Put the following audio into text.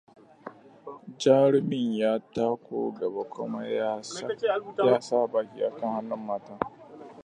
Jarumin ya tako gaba kuma ya sa baki akan hannu matan.